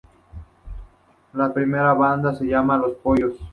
Su primera banda se llamaría Los Pollos.